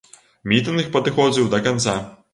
Мітынг падыходзіў да канца.